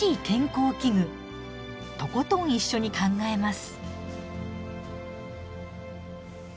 とことん一緒に考えます。